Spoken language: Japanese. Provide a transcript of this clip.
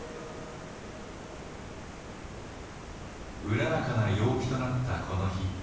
うららかな陽気となったこの日。